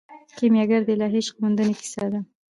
کیمیاګر د الهي عشق موندنې کیسه ده.